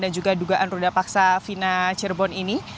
dan juga dugaan ruda paksa fina cirebon ini